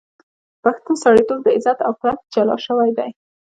پښتون سړیتوب، عزت او پت جلا شوی دی.